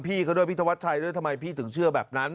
พี่เขาด้วยพี่ธวัดชัยด้วยทำไมพี่ถึงเชื่อแบบนั้น